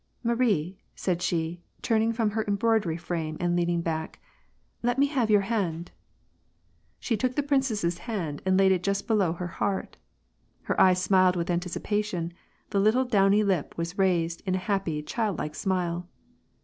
" Marie," said she, turning from her embroidery frame, and leaning back, " let me have your hand." She took the princess's hand and laid it just below her heart. Her eyes smiled with anticipation, the little, downy lip was raised in a happy, childlike smile.